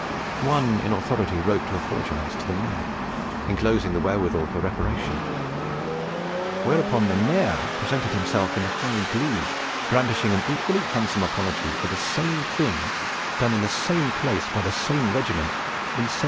One in authority wrote to apologise to the maire, enclosing the wherewithal for reparation: whereupon the maire presented himself in high glee, brandishing an equally handsome apology for the same thing done in the same place by the same Regiment in 1711!